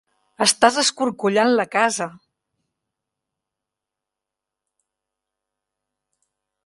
Estàs escorcollant la casa!